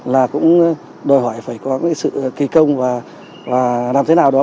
là cũng đòi hỏi phải có cái sự kỳ công và làm thế nào đó